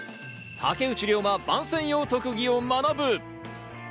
竹内涼真、番宣用特技を学ぶ。